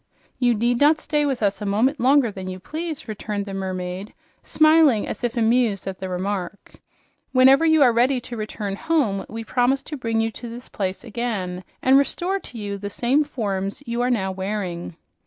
"You need not stay with us a moment longer than you please," returned the mermaid, smiling as if amused at the remark. "Whenever you are ready to return home, we promise to bring you to this place again and restore to you the same forms you are now wearing."